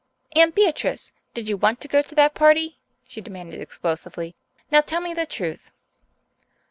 "Aunt Beatrice, did you want to go to that party?" she demanded explosively. "Now tell me the truth."